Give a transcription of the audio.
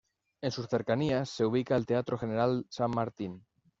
En sus cercanías se ubica el Teatro General San Martín.